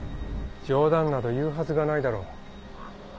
冗談など言うはずがないだろ。